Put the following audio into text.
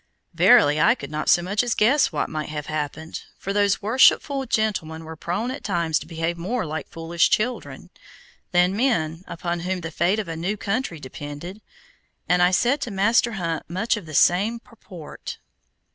Verily I could not so much as guess what might have happened, for those worshipful gentlemen were prone at times to behave more like foolish children, than men upon whom the fate of a new country depended, and I said to Master Hunt much of the same purport.